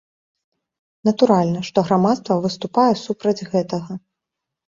Натуральна, што грамадства выступае супраць гэтага.